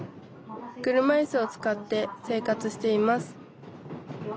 車いすを使って生活しています